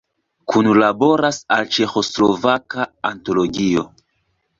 Kunlaboras al Ĉeĥoslovaka antologio.